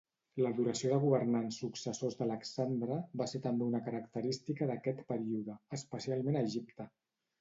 L'adoració de governants successors d'Alexandre va ser també una característica d'aquest període, especialment a Egipte.